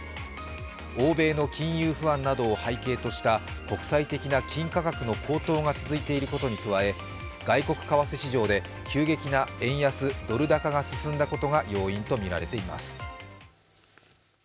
欧米の金融不安などを背景にした国際的な金価格の高騰が続いていることに加え、外国為替市場で急激な円安・ドル高が進んだことが要因とみられています。